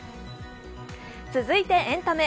続いてエンタメ。